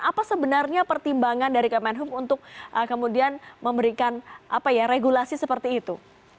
apa sebenarnya pertimbangan dari kementerian perhubungan adhita irawati untuk kemudian memberikan regulasi seperti itu